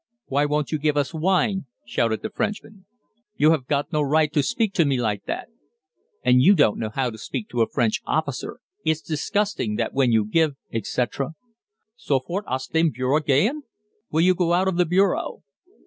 "Why won't you give us wine?" shouted the Frenchman. "You have got no right to speak to me like that." "And you don't know how to speak to a French officer; it's disgusting that when you give," etc. "Sofort aus dem Bureau gehen?" (Will you go out of the bureau?)